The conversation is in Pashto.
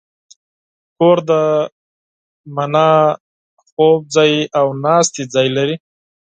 کور د پخلنځي، خوب ځای، او ناستې ځای لري.